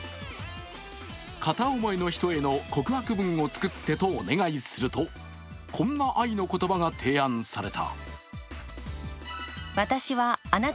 片思いの人への告白文を作ってとお願いするとこんな愛の言葉が提案された。